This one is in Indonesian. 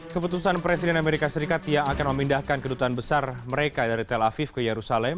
keputusan presiden amerika serikat yang akan memindahkan kedutaan besar mereka dari tel aviv ke yerusalem